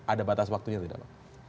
ada batas waktunya tidak pak